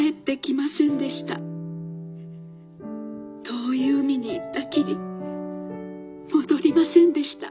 遠い海に行ったきり戻りませんでした。